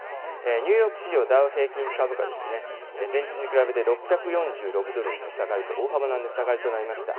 ニューヨーク市場、ダウ平均株価ですね、前日に比べて６４６ドルの値下がりと、大幅な値下がりとなりました。